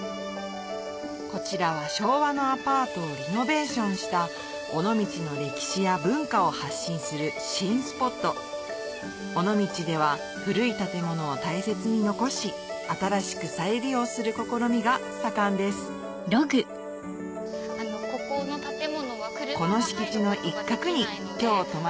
こちらは昭和のアパートをリノベーションした尾道の歴史や文化を発信する新スポット尾道では古い建物を大切に残し新しく再利用する試みが盛んですこの敷地の一角に今日泊まる宿があります